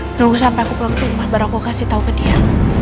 tunggu sampe aku pulang ke rumah baru aku kasih tau ke dia